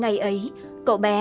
ngày ấy cậu bé